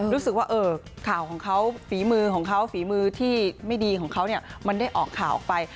รู้สึกว่าข่าวของเขาฝีมือของเขาฝีมือที่ไม่ดีของเขามันได้ออกข่าวออกไป